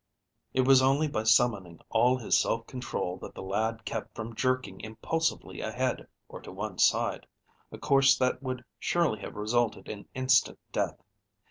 It was only by summoning all his self control that the lad kept from jerking impulsively ahead or to one side, a course which would surely have resulted in instant death.